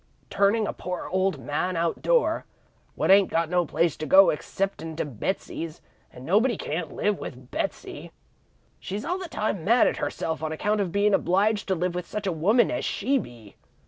Turnin' a poor old man outdoor, what ain't got no place to go exceptin' to Betsey's, an' nobody can't live with Betsey. She's all the time mad at herself on account of bein' obliged to live with such a woman as she be.